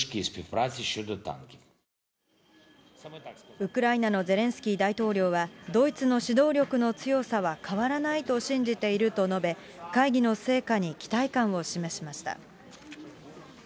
ウクライナのゼレンスキー大統領は、ドイツの指導力の強さを変わらないと信じていると述べ、会議の成果に期待感を示しました。